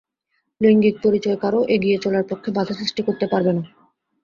লৈঙ্গিক পরিচয় কারও এগিয়ে চলার পক্ষে বাধা সৃষ্টি করতে পারবে না।